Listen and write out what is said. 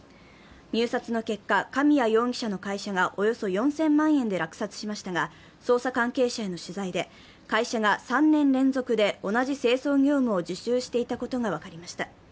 入札の結果、神谷容疑者の会社がおよそ４０００万円で落札しましたが、捜査関係者への取材で会社が３年連続で同じ清掃業務を受注していたことが分かりました。